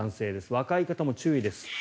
若い方も注意です。